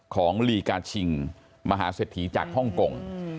ของลีกาชิงมหาเศรษฐีจากฮ่องกง